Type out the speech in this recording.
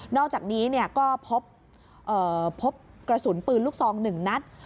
อกจากนี้ก็พบกระสุนปืนลูกซอง๑นัด